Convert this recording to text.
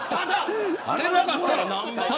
あれがなかったらね。